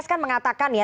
kan mengatakan ya